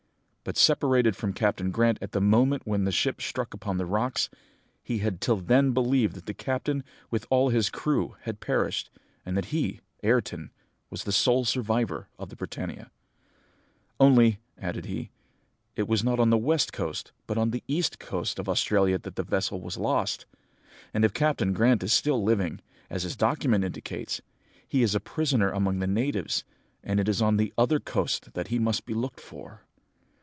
But, separated from Captain Grant at the moment when the ship struck upon the rocks, he had till then believed that the captain with all his crew had perished, and that he, Ayrton, was the sole survivor of the Britannia. "'Only,' added he, 'it was not on the west coast, but on the east coast of Australia that the vessel was lost; and if Captain Grant is still living, as his document indicates, he is a prisoner among the natives, and it is on the other coast that he must be looked for.'